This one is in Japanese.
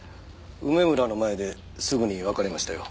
梅むらの前ですぐに別れましたよ。